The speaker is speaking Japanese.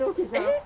えっ？